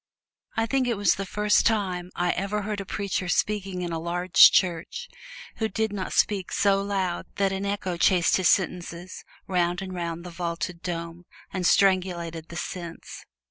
I think it was the first time I ever heard a preacher speaking in a large church who did not speak so loud that an echo chased his sentences round and round the vaulted dome and strangled the sense.